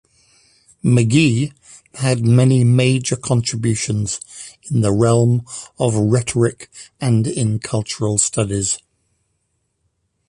McGee had many major contributions in the realm of rhetoric and in cultural studies.